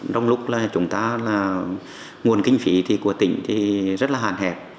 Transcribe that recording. trong lúc là chúng ta là nguồn kinh phí thì của tỉnh thì rất là hạn hẹp